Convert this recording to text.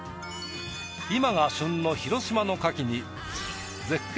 今が旬の広島のカキに絶景